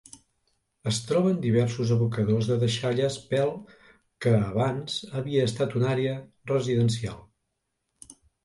Es troben diversos abocadors de deixalles pèl que abans havia estat una àrea residencial.